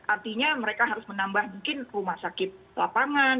artinya mereka harus menambah mungkin rumah sakit lapangan